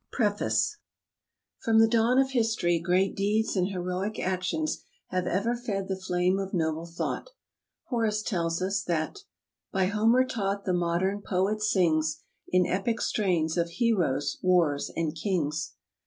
••••••• PREFACE From the dawn of history great deeds and heroic actions have ever fed the flame of noble thought. Horace tells us that By Homer taught the modern poet sings In epic strains of heroes, wars and kings.